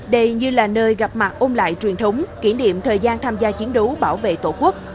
đây như là nơi gặp mặt ôm lại truyền thống kỷ niệm thời gian tham gia chiến đấu bảo vệ tổ quốc